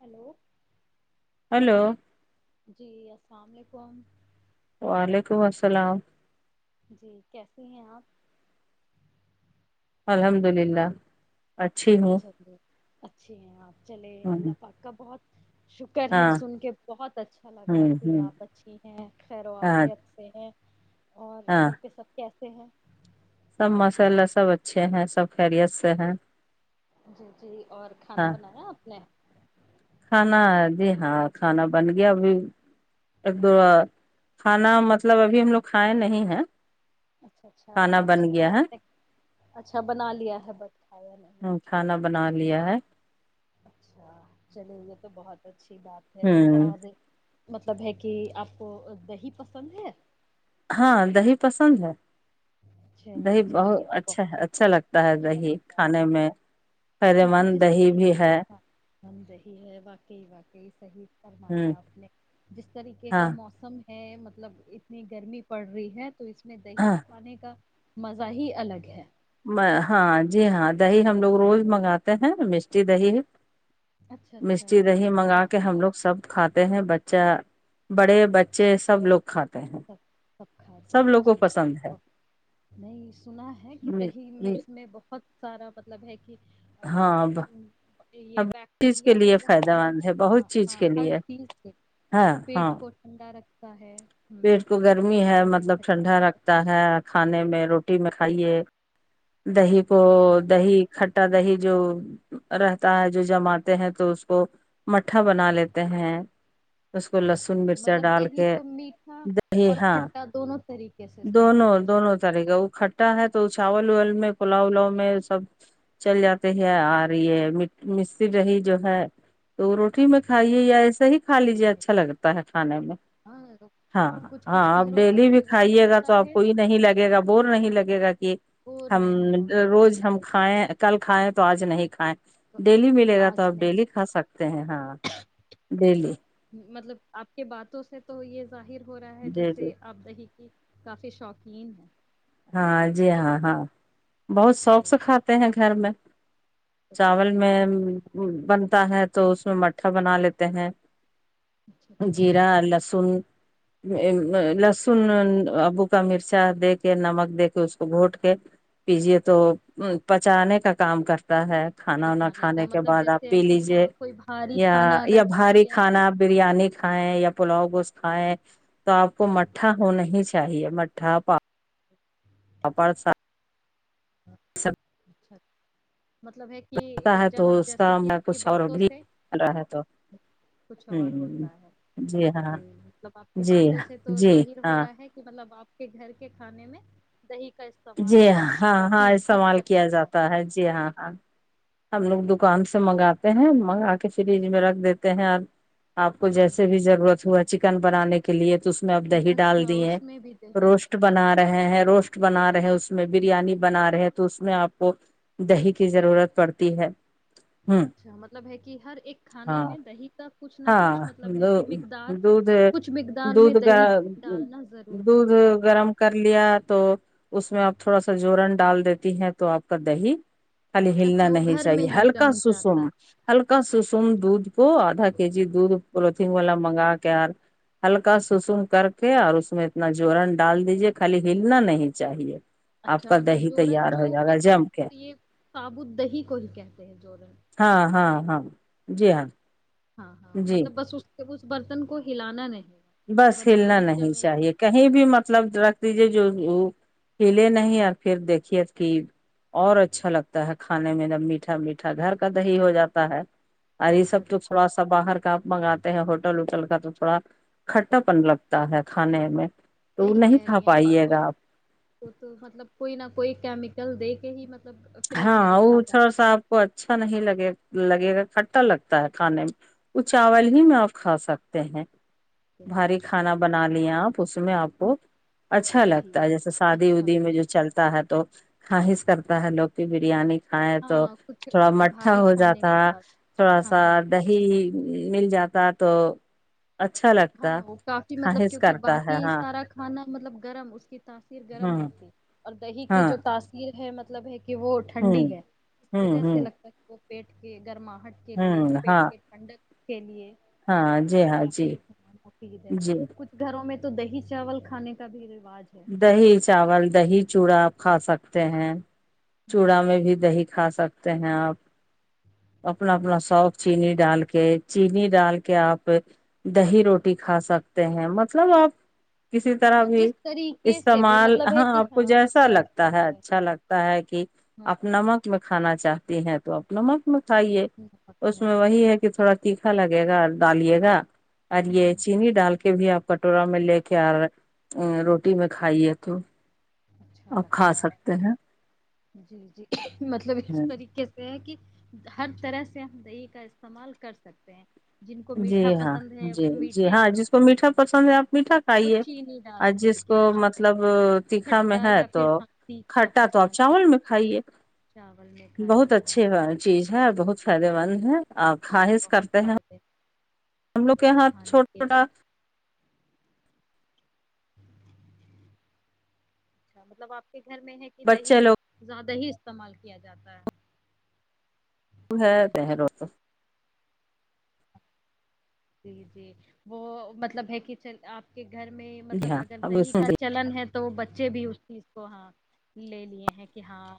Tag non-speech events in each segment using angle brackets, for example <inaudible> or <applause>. Hello hello جی السلام علیکم وعلیکم السلام جی کیسے ہیں آپ الحمد للہ اچھی ہوں چلیے اچھے ہیںپ چلے اللہ پاکا بہت شکر ہے ہاں سن کے بہت اچھا لگا ہوں کہ ہوں آپ اچھی ہیں خیر و ہاں آافیت سے ہیں اور ہاں گھر پہ سب کے سے ہے <inaudible> سب مساللہ سب اچھے ہیں سب خیریت سے ہیں جی جی اور کھانا ہاں بنایا آپ نے کھانا جی ہاں کھانا بن گیا ابھی ایک دو کھانا مطلب ابھی ہم لوگ کھائے نہیں ہیں اچھا اچھا کھانا بن اچھا گیا ہے آپ نے اچھا بنا لیا ہے بٹ کھایا میں ہ کھانا بنا لیا ہے اچھا چلیے یہ تو بہت اچھا اچھی بات ہے ہوں اور مطلب ہے کہ آپ کو دہی پسند ہے ہاں دہی پسند ہے چلے دہی چلے بہت یہ تو اچھا بہت اچھا لگتا ہے اچھا دہی لگتا کھانے ہے میں فائدے مند دہی بھی ہے م صی ہے واقعی واقعی صحیح ہ فرمایا اپنے جس طریقے کا ہاں موسم ہے مطلب اتنی گرمی پڑ رہی ہے تو اس میں دہی ہاں کا مزہ ہی الگ ہے ہاں جی ہاں دہی ہم لوگ روز منگاتے ہیں مشٹی دہی اچھا مٹی اچھا دہی منگا کے باہر ہم لوگ سب کھاتے ہیں بچ اچھا بڑے بچے سب لوگ کھاتے ہیں اچ سب کھاتے سب ہیں لوگ کو پسند ہے چلو نہیں سنا ہے کہ دہی میں اس میں بہت سارا مطلب ہے کہ ہاں یہ ہر چیز کے بیکٹیریا لیے جو فائدہ رہتا ہے مند ہ بہت چیز ہاں کے ہر لیے چیز سے ہاں ہاں پیٹ کو ٹھنڈا رکھ چے پیٹ کو گرمی ہے مطلب ٹھنڈا رکھتا ہے کھانے میں رو رٹی میں کھائیے دہی کو سانس دہی کھٹا دہی جو رہتا ہے جو جماتے ہیں تو اس کو مٹھا بنا لیتے ہیں اس کو لیتے لہسن ہیں مرچا مطلب ڈال دہی کے کو میٹھا اور دہیہ کھٹا دونوں طریقے سے استعمال دونوں کر دونوں سکتے طر کا وہ کھٹا ہے تو چاول پلاؤ الاؤ میں سب چل جاتے ہے اور یہ مستری رہی جو ہے تو روٹی میں کھائیے یا ایسا ہی کھا لیجے ہیں اچھا لگتا ہے کھانے میں ہاں ہاں کچھ ہاں کچھ آپ گھروں کا ڈیلی تو بھی رواج کھائیے گا تو ہوتا آپ ہے کوئی نہیں لگے گا بور نہیں لگے گا کہ وہ ہم نہیں ہوں گے روز ہم دہی کھائیں کل کھیں تو آج نہیں کھائےیں تو ڈیلی ملے گا تو آج آپ ڈیلی نہیں کھا سکتے ہیں ہاں ڈیلی مطلب آپ کے باتوں سے تو یہ ظاہر ہو رہا ہے ڈیلی جیسے آپ دی کافی شوقین ہے ہاں جی ہاں ہاں بہت شوق جی سے کھاتے ہیں گھر میں تو چاول کھاتے ہیں میں نا بن تا ہے تو اس میں مٹھا بنا لیتے ہیں اچھا اچھا جیرا لہسن لہسن ابو کا مرچا دیکھ کے نمک دے کے اس کو گھونٹ کے پیجیے تو بچانے کا کام کرتا ہے کھانا وناا پچانے کا کھانے کے مطلب بعد آپ جیسے پی اگر لیجے ہاں کوئی بھاری یا کھانا اگر یا کھا بھاری لیا ہے کھانا آپ بریانی کھائیں یا پلاؤ گوشت کائے تو آپ کو جی مٹھا ہونا ہی چاہی اچ چاہیے مٹھا پا اپپر سات سب اچھا مطلب ہے ہوتا کہ ہے تو جہاں اس جیسے کا کہ میں آپ کی کچھ اور باتوں بھی سے رہا ہے تو کچھ اور ہ ہوتا ہے جی ج ہاں مطلب آپ کی جی باتوں سے تو جی ظاہر ہو ہاں رہا ہے کہ مطلب آپ کے گھر کے کھانے میں دہی کا جی استعمال ہاں ہاں ہاں کافی اس حد تک سوال کیا کیا ہوتا جاتا ہے جی ہاں ہاں ہم لوگ دکان سے منگاتے ہیں منگا کے فریج میں رکھ دیتے ہیں اور آپ کو جیسے اچھا بھی ضرورت ہوا چکن بنانے کے لیے تو اس میں اب دہی ڈال اچھا دیے اس میں بھی دہی روسٹ بنا رہے ہیں روسٹ بنا رہ سحس میں بریانی بنا رہے تھے تو اس میں آپ کو دہی کی ضرورت پڑتی ہے ہ اچھا مطلب ہے کہ ہر ایک کھانے ہاں میں دہی کا کچھ نہ ہاں کچھ مطلب ہے کہ مقدار دھ کچھ مقدار میں دھ گ دہی ڈالنا ضروری دودھ ہے گرم کر لیا تو تو اس میں آپ تھوڑا سا جوورن ڈال دیتی ہیں تو آپ کا دہی خالی ہلنا اچھا وہ نہیں گھر میں چاہیے ہی ہلکا جم سسم جاتا ہے ہلکا سسم دودھ کو آدھا دودھ پلیوتھین والا منگا کےیار ہلکا سسم کر کے اور اس میں اتنا جوورن ڈال دیجے خالی ہلنا نہیں چاہیے آپ اچھا کا مطلب دہی جوورن تیار جو ہو جائے گا کہتے جم کے ہیں یہ تابو دہی کو ہی کہتے ہیں جوورن ہاں ہاں ہاں جی ہاں ہاں ہاں جی مطلب بس اس جب اس برتن کو ہلانا نہیں ہے بس ورنہ ہلنا دہی نہیں جمے گی چاہیے کہیں نہیں ہاں بھی مطلب رکھ دیجیے جو وہ پلے نہیں اور پھر دیکھیے کہ اور اچھا لگتا ہے کھانے میں جب میٹھا میٹھا گھر کا د ہیی ہو جاتا ہے ار گھر یہ سب کا تو دہی تھوڑا سا باہر کاپ منگاتے ہیں ہوٹل وٹل کا پا کھٹا پن لگتا ہے کھانے میں تو وہ صحیح نہیں کہہ رہی کھا ہیں آپ پائیے اس گا آپ کو تو مطلب کوئی نہ کوئی کیمیکل دے کے ہی مطلب فریج ہاں میں رکھا اچھاڑ جاتا سا آپ کو اچھا نہیں لگے لگے گا کھٹا لگتا ہے کھانے میں وہ چاول ہی میں آپ کھا سکتے ہیں ہے بھاری کھانا بنا ل الیاپ اس میں آپ کو اچھا دہی لگتا ہے جیسے شادی اچھا ودی لگ میں جو چلتا ہے تو خاہس کرتا ہے لوگ بریانی کھائیں تو ہاں کچھ تھوڑا مٹھا بھاری ہو کھانے جاتا کے بعد تھوڑا ہاں سا ہاں دہی مل جاتا تو اچھا لگتا ہاں وہ کافی مطلب خواہش کیونکہ کرتا ہے باقی ہاں سارا کھانا مطلب گرم اس کی تاثیر گرم ہوں ہوتی اور دہی کی ہاں جو تاثیر ہے ملب مطلب کہ وہ ٹھنڈی ہوں ہے اس ہوں وجہ سے ہوں لگتا ہے کہ وہ پیٹ کے گرما ہٹ کے لیے ہوں پیٹ ہاں کے ٹنڈک کے لیے ہاں جی ہاں جی دھر جی کچھ گھروں میں تو دہی چاول کھانے کا بھی رہ دہی چاول دہی چوڑا کھا سکتے ہیں چوڑا میں بھی دہی کھا سکتے ہیں آپ اپنا اپنا سوف چینینی ڈال کے چینی ڈال کے آپ دہی روٹی کھا سکتے ہیں مطلب آپ کسی طرح ہاں بھی جس طریقے سے بھی استعمال مطلب ہے ہاں کہ آپ کو جیسا کر لگتا ہے سکتے ہیں اچھا لگتا ہے کہ ہاں آپ نمک میں کھانا چاہتی ہیں تو اپنا مت مٹائیے اس میں وہی ہے کہ تھوڑا تیکھا لگے گا ڈالیے گا اور یہ ہوں، چینی ڈال کے بھی آپ کٹورا میں لے کے آ رہے روٹی رٹی میں کھائی ہے تو اچھا آپ کھا لگتا سکتے ہیں ہے جی جی مطلب اس طریقے سے ہے کہ ہر طرح سے ہم دہی کا استعمال کر سکتے ہیں جن کو جی میٹھا ہاں پسند ہے جی وہ جی میٹھے ہاں جس کو میٹھا پسند ہے ہاں آپ میٹھا وہ کھائیے چینی ڈال اور کر جس کو کے ہاں مطلب تیککھا میں کھٹا ہے یا تو پھر ہاں تیکھا کھٹا تو آپ پسند ہے چاول میں کھائیے چاول میں بہت کھائیے ہاں اچھے چیز ہے بہت سارے مند ہیں آپ خواہش بہت کرتے ہیں مرد ہم لوگ کے یہاں چھوٹا چھوٹا اچھا مطلب آپ گھر میں ہے کہ دہی بچے لوگ زیادہ استعمال کیا جاتا ہے ہے کہ اچھا روس جی جی وہ مطلب ہے کہل آپ کے گھر میں مطلب اگر دہی کا چلن ہے تو بچے بھی اس چیز کو ہاں لے لیے ہیں کہ ہاں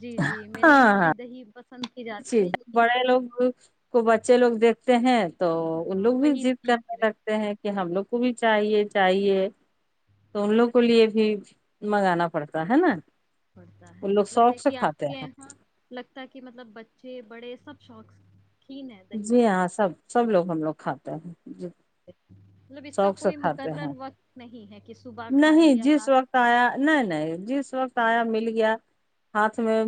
جی جی میرے یہاں بھی دہی ب چیز بڑے لوگ کو بچے لوگ دیکھ تد تو ان ہاں لوگ بھی وہی ضد سیکھ کرنے رہے لگتے ہیں کہ ہم لوگ کو بھی چاہیے چاہیے تو ان لوگ کو لیے بھی منگانا پڑتا ہے نا پڑتا ہے ان لوگ مطلب ہے شوق سے کہ کھاتے آپ کے ہیں یہاں لگتا ہے کہ مطلب اچھے بڑے سب شوقس جی ہاں سب سب لوگ ہم لوگ کھاتے ہیں جی مطلب اس کا شوق سے کوئی کھاتے مقرر ہیں وقت نہیں ہے کہ صبح کھائیں نہیں یا جس رات وقت کھائیں آیا نہیں نہیں جس وقت آیا مل گیا ہاتھ میں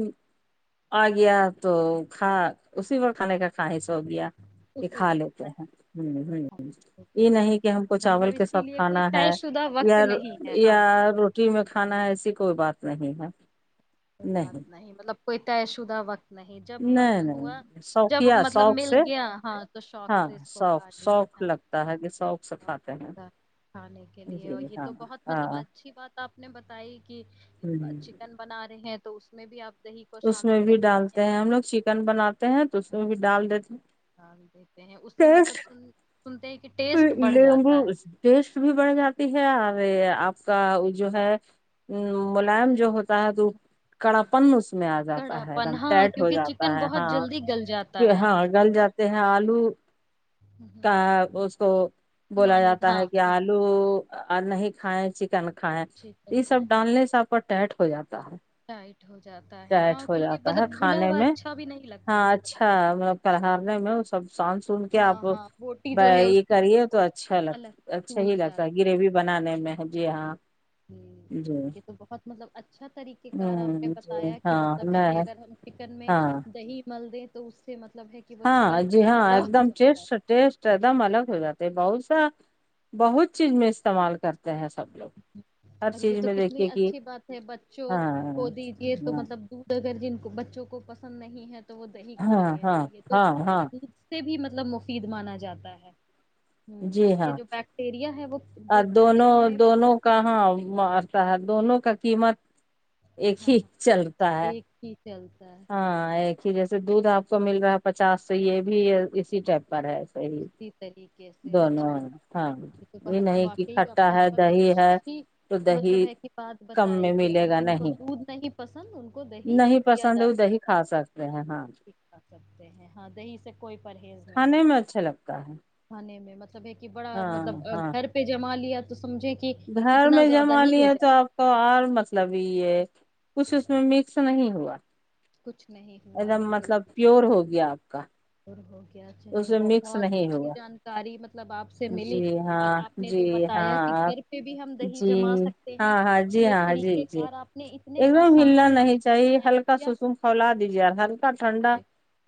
آ گیا تو کھا اسی وقت کھانے کا خواہش ہو گیا کہ اسی کھا لیتے وقت ہیں ہ ہ یہ کھائیں نہیں کہ ہم کو اچھا چاول مطلب کے اس ساتھ لیے کوئی کھانا ہے طے شدہ وقت یا نہیں ہے ہاں یا روٹی میں کھانا ہے ایسی کوئی بات صحی ہے کوئی بات نہیں مطلب کوئیتا ہے اسہ وقت نہیں جب من نہیں ہوا نہیں جب شوقیہ مطلب شوق مل سے گیا ہاں تو شوق ہاں سے اس کو کھا شوق لے شوق ہ لگتا ہے کہ شوق سے کھاتے ہیں کھانے کے لیے اور جی یہ ہاں تو بہت مطلب ہاں اچھی بات آپ نے بتائی کہ ہ چکن بنا ہیں تو اس میں بھی آپ دہی کو اس میں شامل بھی کرتی ڈالتے ہیں ہم لوگ چکن بناتے ہیں تو اس میں بھی ڈال دیتے ہیں ہاں کہتے ہیں اس سے ٹیسٹ مطلب سن سنتے ہیں کہ ٹیسٹ بڑھ لیمبو جاتا ہے ٹیسٹ بھی بڑھ جاتی ہے آپ کا جو ہے ملائم جو ہوتا ہے تو ہاں ہاں کڑاپن اس میں آ کڑا جاتا ہے ایک پن دم ہاں ٹیائٹ ہو کیونکہ جاتا چکن ہے بہت ہاں جلدی گل جاتا ہے ہاں گل جاتے ہیں آلو کا اس کو بولا مانید جاتا ہاں ہے کہ ہاں آلو اور نہیں کھائےیں چکن کھیں چکن یہ سب ڈالنے سے ٹیٹ ہو جاتا ہے ج آ <unintelligible> ائٹ ہو جاتا ہے کھانے ہوا میں اچھا بھی نہیں ہاں لگتا ہے اچھا مطلب کرہارنے میں سان سن کے آپ ہاں ہاں بوٹی جو ہے اس یہ کی کریے مطلب تو وہ اچھا لگ الگ اچھا ہی ٹوٹ لگتا جاتی گریوی بنانے میں جی ہاں ہ جی یہ تو بہت مطلب اچھا طریقے کار آپ نے ہوں جی بتایا ہاں نہیں ٹکن میں ہاں دہی مل دیں تو اس سے مل ہاں جی ہاں ایک دم ہے ٹیسٹ ٹیسٹ ایک دم الگ ہو جاتے بہ بہت چیز میں استعمال کرتے ہیں سب لوگ ہر اور یہ چیز تو میں کتنی دیکھیے کہ اچھی بات ہے بچوں ہاں کو دیجے تو ہاں مطلب دھ اگر جن بچوں کو پسند نہیں ہے تو وہ دہی کھا ہاں رہے ہیں تو ہاں یہ تو ہاں ہاں سے بھی مطلب مطلب مفید مانا جاتا ہے ہ جی اس کے ہاں جو بیکٹیریا ہے وہ جو دہی میں کہاںح دونوں کا قیمت ایک ہاں ہی ہاں چلتا ہے ایک ہی چلتا ہے پ جیسے دودھ آپ کو مل رہا ہے پچاس سو یہ بھی اسی ٹائپ پر ہے صحیح کیسے دونوں اچھا ہیں۔ ہاں ب یہ نہیں کہ واقعی کھٹا نے ہے بہت دہی ہے اچھی تو مطلب دہی ہے کہ بات کم بتائی میں کہ اگر ملے گا جن کو نہیں دودھ نہیں پسند ان کو دہی نہیں دیا پسند جا وہ دہی سکتا ہے کھا سکتے ہیں ہاں سکتے ہیں ہاں دہی سے کوئی پرہیز کھانے نہیں میں اچ لگتا ہے میں مطلب سب ہے کہ بڑا ہاں مطلب ہاں گھر پہ جما لت گھر میں جمی ہے تو جائے گا آپ کو اور مطلب ہی ہے کچھ اس میں مکس نہیں ہوا کچھ نہیں ایک ہوا دم بالکل مطلب بکل پیور ہو گیا آپ کا اور ہو کیا چلے اس میں مکس بہت نہیں اچھی ہوا جانکاری مطلب آپ سے ملی جی اور ہاں آپ نے جو جی بتایا کہ ہاں گھر پہ بھی ہم دہی جی جما سکتے ہیں ہاں ہاں جی یہ ہاں جی طریقہ جی کار آپ نے اتنے ایک آسان لظیا کیا کولا دیجیے ہلکا ٹھنڈا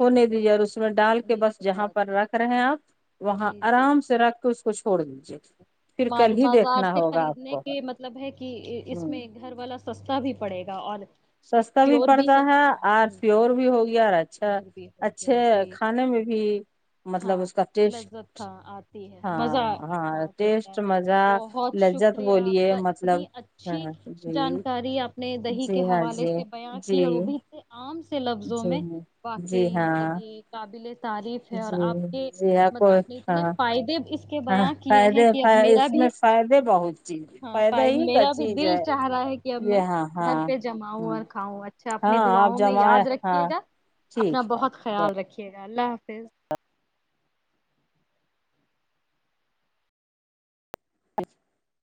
ہونے دیجیے اور اس میں ڈال کے ہونے بس جہاں بعد پر رکھ رہے ہیں آپ وہاں جی جی آرام سے رکھ اس کو چھوڑ دیجیے پھر کل ہی بازار دیکھنا سے ہوگا آپ خریدنے کو کے مطلب ہے کہ اس ہ میں گھر والا سستا بھی پڑے گا اور سستا بھی پڑتا ہے اور پیور بھی ہو گیا اور اچھا پیور بھی ہو اچھے گیا جی کھانے میں بھی مطلب ہاں اس کا لذت ٹیسٹ ہاں آتی ہے مزہ ہاں ہاں دیتا ہے ٹیسٹ مزہ بہت لذت شکریہ آپ بولیے کا مطلب اتنی اچھی ہاں جی جانکاری اپپنے دہی جی کے ہاں حوالے جی سے بیا کی جی روب لفظوں جی میں جی واقعی مطلب ہاں یہ قابل تعریف ہے اور جی آپ کے جی ہاں م کوئی آپنے اتنے ہاں فائدے اس کے ہاں بیان کیے ہیں فائدے کہ اب میرا اس بھی میں فائدے بہت چیز ہاں فائدہ پائی ہی کا میرا بھی چیز دل ہے چاہ رہا ہے کہ اب جی میں ہاں گھر ہاں پہ جماؤں ہ اور کھاؤں اچا اچھا اپنی ہاں آپ دعاؤں میں جمع یاد ہاں رکھیے گا اپنا ٹھیک ہے بہت خیال رکھیے گا اللہ حافظ <inaudible>